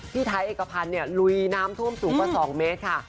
พี่ไทยเอกพันธ์เนี่ยลุยน้ำท่วมสูงกว่า๒เมตรค่ะ